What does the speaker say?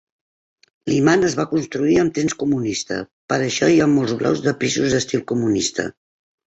Liman es va construir en temps comunista, per això hi ha molts blocs de pisos d'estil comunista.